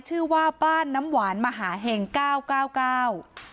ชื่อว่าบ้านน้ำหวานมหาเห็งเก้าเก้าเก้า